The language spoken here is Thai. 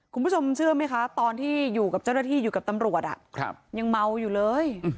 คุณผู้ชมเชื่อไหมคะตอนที่อยู่กับเจ้าหน้าที่อยู่กับตำรวจยังเมาอยู่เลย